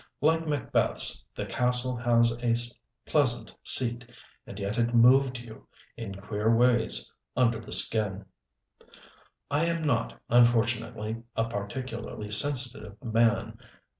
Like Macbeth's, the castle has a pleasant seat and yet it moved you, in queer ways, under the skin. I am not, unfortunately, a particularly sensitive man.